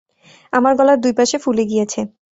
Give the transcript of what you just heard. আমার গলার দুই পাশে ফুলে গিয়েছে।